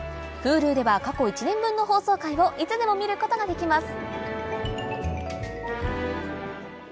Ｈｕｌｕでは過去１年分の放送回をいつでも見ることができます